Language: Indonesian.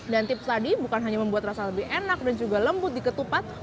dan tips tadi bukan hanya membuat rasa lebih enak dan juga lembut di ketupat